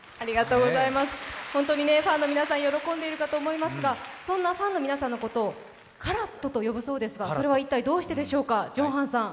本当にファンの皆さん喜んでいると思いますがそんなファンの皆さんのことをＣＡＲＡＴと呼ぶそうですけれどもそれは一体どうしてでしょうか、ＪＥＯＮＧＨＡＮさん？